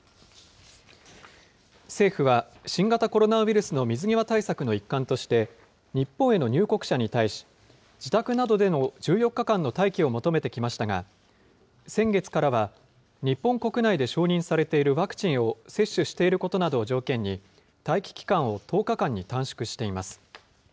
政府は、新型コロナウイルスの水際対策の一環として、日本への入国者に対し、自宅などでの１４日間の待機を求めてきましたが、先月からは日本国内で承認されているワクチンを接種していることなどを条件に、待機期間を１０日間に短縮しています。